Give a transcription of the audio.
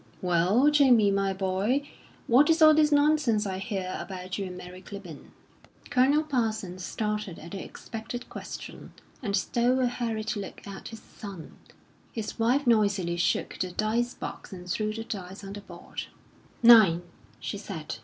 "Well, Jamie, my boy, what is all this nonsense I hear about you and Mary Clibborn?" Colonel Parsons started at the expected question, and stole a hurried look at his son. His wife noisily shook the dice box and threw the dice on the board. "Nine!" she said.